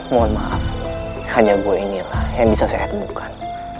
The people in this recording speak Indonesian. mohon maaf hanya gue inilah yang bisa saya temukan